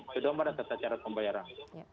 kedombaran tata cara pembayaran